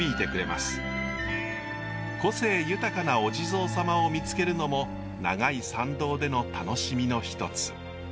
個性豊かなお地蔵様を見つけるのも長い参道での楽しみの一つ。